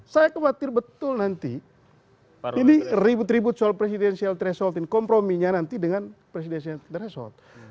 saya kebatir betul nanti ribut ribut soal presidensial threshold komprominya nanti dengan presidensial threshold